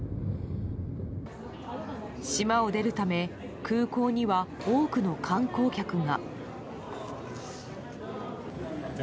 島を出るため空港には多くの観光客が。